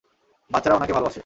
বাচ্চারা উনাকে ভালোবাসে!